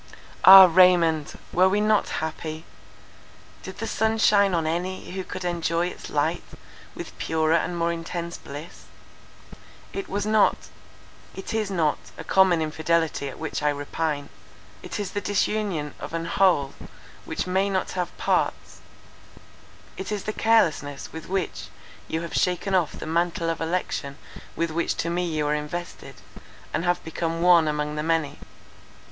"Ah, Raymond, were we not happy? Did the sun shine on any, who could enjoy its light with purer and more intense bliss? It was not—it is not a common infidelity at which I repine. It is the disunion of an whole which may not have parts; it is the carelessness with which you have shaken off the mantle of election with which to me you were invested, and have become one among the many.